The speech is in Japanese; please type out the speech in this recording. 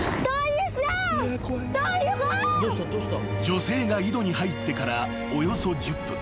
［女性が井戸に入ってからおよそ１０分］